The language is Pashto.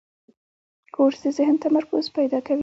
کورس د ذهن تمرکز پیدا کوي.